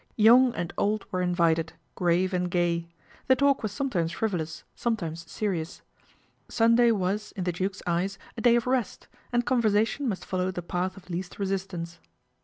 Young and old were invited grave a gay. The talk was sometimes frivolous, son LADY PEGGY MAKES A FRIEND 253 tmes serious. Sunday was, in the Duke's eyes, ; day of rest, and conversation must follow the jath of least resistance.